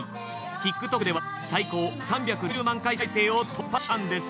ＴｉｋＴｏｋでは最高３６０万回再生を突破したんです。